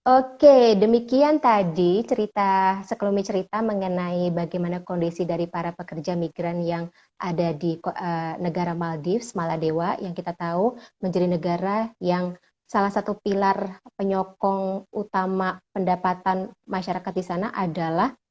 oke demikian tadi cerita sekelumi cerita mengenai bagaimana kondisi dari para pekerja migran yang ada di negara maldives maladewa yang kita tahu menjadi negara yang salah satu pilar penyokong utama pendapatan masyarakat di sana adalah